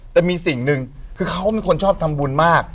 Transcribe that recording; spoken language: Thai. แต่มีสิ่งหนึ่งคือเขาเป็นคนชอบทำบุญมาก